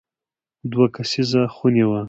دوه کسیزه خونې وې.